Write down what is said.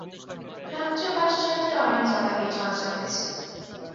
প্রাচ্য-পাশ্চাত্যের অনেক জায়গায় এর চর্চা হয়েছে।